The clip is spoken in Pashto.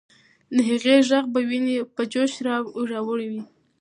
د هغې ږغ به ويني په جوش راوړي وي.